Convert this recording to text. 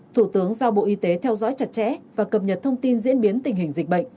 thủ tướng giao bộ y tế theo dõi chặt chẽ và cập nhật thông tin diễn biến tình hình dịch bệnh